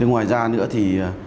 ngoài ra nữa thì